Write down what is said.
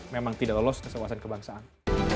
memang tidak lolos ke sewasan kebangsaan